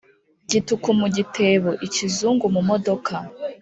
gituku mu gitebo-ikizungu mu modoka.